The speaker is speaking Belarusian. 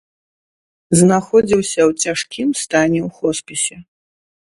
Знаходзіўся ў цяжкім стане ў хоспісе.